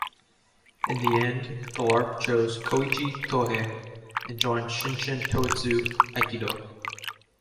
In the end, Galarpe chose Koichi Tohei and joined Shin Shin Toitsu Aikido.